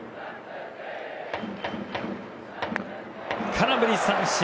空振り三振。